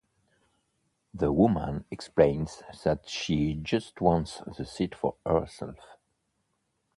The woman explains that she just wants the seat to herself.